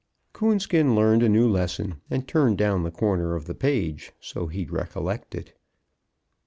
Coonskin learned a new lesson, and turned down the corner of the page so he'd recollect it.